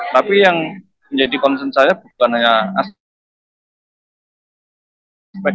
tapi yang menjadi konsen saya bukan hanya